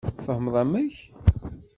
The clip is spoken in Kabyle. Tfehmeḍ amek?